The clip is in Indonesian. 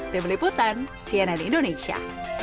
terbeliputan cnn indonesia